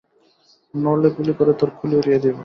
নড়লে গুলি করে তোর খুলি উড়িয়ে দেবো।